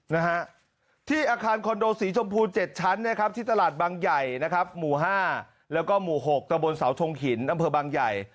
ในอาคารคอนโดสีชมพู๗ชั้นที่ตลาดบางใหญ่หมู่๕แล้วก็หมู่๖ตรงบนเสาทงหินอำเภอบางใหญ่